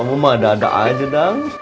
kamu mah dada aja dang